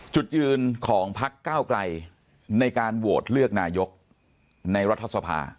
จุดยืนของพักเก้าไกลในการโหวตเลือกนายกในรัฐสภา